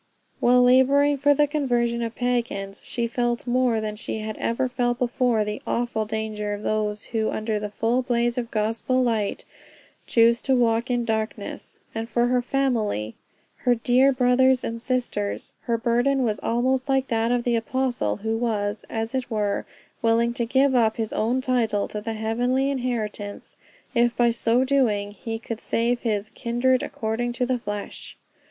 While laboring for the conversion of pagans, she felt more than she had ever felt before, the awful danger of those who under the full blaze of gospel light, choose to walk in darkness; and for her family, her dear brothers and sisters, her burden was almost like that of the apostle who was, as it were, willing to give up his own title to the heavenly inheritance, if by so doing he could save his "kindred according to the flesh."